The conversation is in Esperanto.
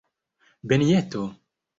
benjeto